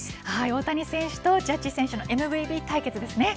大谷選手とジャッジ選手のＭＶＰ対決ですね。